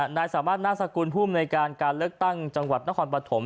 นายสามารถน่าสกุลพุ่มในการเลือกตั้งจังหวัดนครปฐม